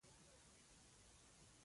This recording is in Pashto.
احمد په خپله کورنۍ باندې ډېر فخر کوي.